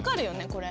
これ。